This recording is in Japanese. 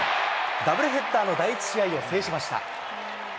ダブルヘッダーの第１試合を制しました。